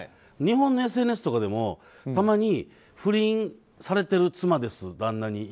日本のＳＮＳとかでもたまに不倫されている妻です。